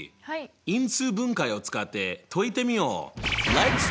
因数分解を使って解いてみよう！